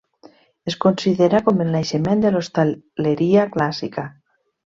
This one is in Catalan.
Es considera com el naixement de l'hostaleria clàssica.